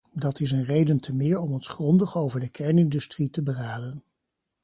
Dat is een reden temeer om ons grondig over de kernindustrie te beraden.